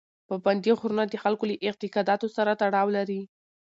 پابندي غرونه د خلکو له اعتقاداتو سره تړاو لري.